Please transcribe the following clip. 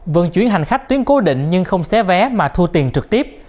vân chuyến hành khách tuyến cố định nhưng không xé vé mà thu tiền trực tiếp